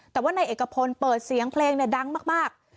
แต่ว่านายเอกพลเปิดเสียงเพลงดังมาก